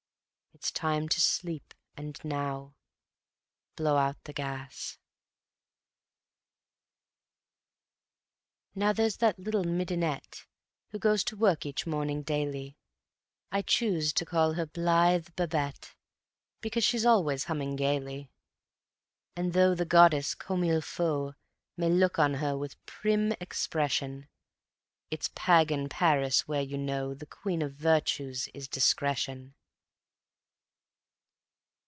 It's time to sleep, and now ... blow out the gas. ... _Now there's that little midinette Who goes to work each morning daily; I choose to call her Blithe Babette, Because she's always humming gaily; And though the Goddess "Comme il faut" May look on her with prim expression, It's Pagan Paris where, you know, The queen of virtues is Discretion.